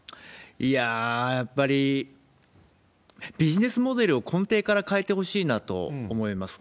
いやー、やっぱりビジネスモデルを根底から変えてほしいなと思います。